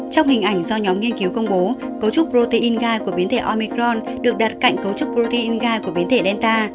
trong hình ảnh do nhóm nghiên cứu công bố cấu trúc protein gai của biến thể omicron được đặt cạnh cấu trúc protein gai của biến thể delta